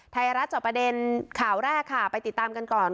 ไทยรัฐจอบประเด็นข่าวแรกค่ะไปติดตามกันก่อน